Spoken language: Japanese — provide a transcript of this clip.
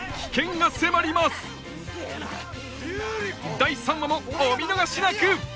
第３話もお見逃しなく！